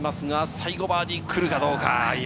最後、バーディー来るかどうか。